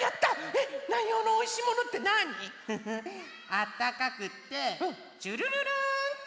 あったかくってちゅるるるんって。